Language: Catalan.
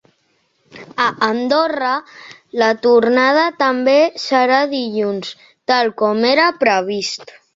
A Andorra, la tornada també serà dilluns, tal com era previst.